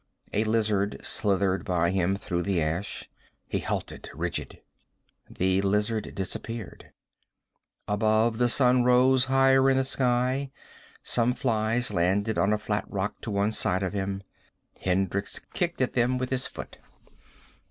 A lizard slithered by him, through the ash. He halted, rigid. The lizard disappeared. Above, the sun rose higher in the sky. Some flies landed on a flat rock to one side of him. Hendricks kicked at them with his foot.